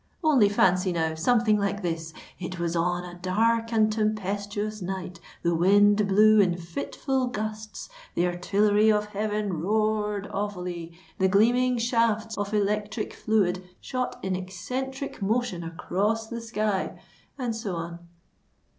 "Only fancy, now, something like this:—'_It was on a dark and tempestuous night—the wind blew in fitful gusts—the artillery of heaven roared awfully—the gleaming shafts of electric fluid shot in eccentric motion across the sky_;'——and so on."